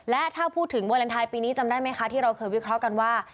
และถ้าพูดถึงวาเลนไทยปีนี้จำได้ไหมคะที่เราเคยวิเคราะห์กันว่า